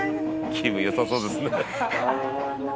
「気分良さそうですね」